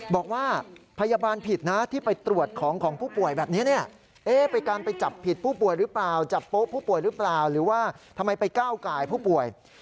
บอกว่าพยาบาลผิดนะที่ไปตรวจของผู้ป่วยแบบนี้เนี่ย